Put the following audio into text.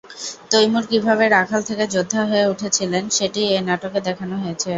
তৈমুর কিভাবে রাখাল থেকে যোদ্ধা হয়ে উঠেছিলেন, সেটিই এই নাটকে দেখানো হয়েছে।